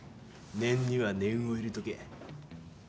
念には念を入れとけ。